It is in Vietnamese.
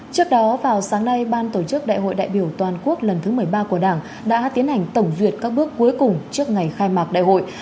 trước đó vào sáng nay ban tổ chức đại hội đại biểu toàn quốc lần thứ một mươi ba của đảng đã tiến hành tổng duyệt các bước cuối cùng trước ngày khai mạc đại hội